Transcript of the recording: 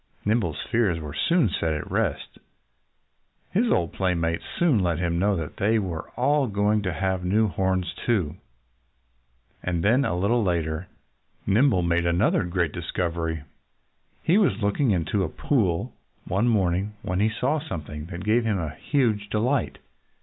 Nimble's fears were soon set at rest. His old playmates soon let him know that they were all going to have new horns too. And then, a little later, Nimble made another great discovery. He was looking into a pool one morning when he saw something that gave him huge delight.